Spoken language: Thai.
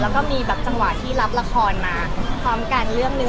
แล้วก็มีจังหวะที่รับละครมาความการเรื่องนึง